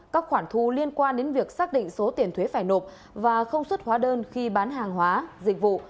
các khoản thu liên quan đến việc xác định số tiền thuế phải nộp và không xuất hóa đơn khi bán hàng hóa dịch vụ